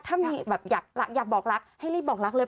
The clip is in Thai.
ถ้ามีแบบอยากบอกรักให้รีบบอกรักเลย